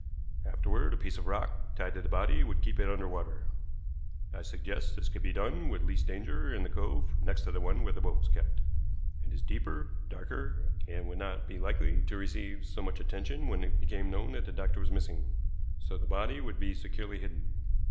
Afterward a piece of rock tied to the body would keep it under water. I suggest this could be done with least danger in the cove next to the one where the boat was kept. It is deeper, darker, and would not be likely to receive so much attention when it became known that the doctor was missing. So the body would be securely hidden.